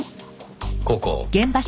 ここ。